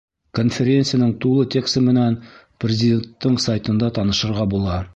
Конференцияның тулы тексы менән Президенттың сайтында танышырға була.